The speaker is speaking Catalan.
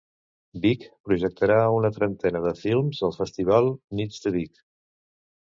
Vic projectarà una trentena de films al Festival Nits de Vic.